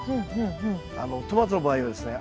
トマトの場合はですね